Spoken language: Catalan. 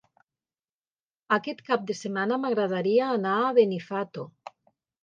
Aquest cap de setmana m'agradaria anar a Benifato.